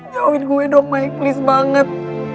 jauhin gue dong maik please banget